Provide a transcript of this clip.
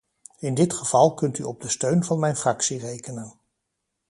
In dit geval kunt u op de steun van mijn fractie rekenen.